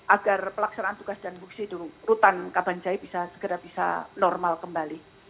agar pelaksanaan tugas dan buksi rutan kabanjai bisa segera normal kembali